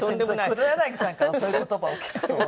黒柳さんからそういう言葉を聞くとは。